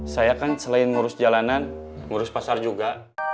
saya kan selain ngurus jalanan ngurus pasar juga